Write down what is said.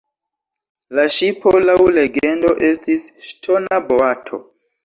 La ŝipo laŭ legendo estis “ŝtona boato”.